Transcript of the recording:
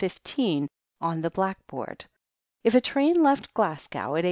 15 on the black* board. 'If a train left Glasgow at 8.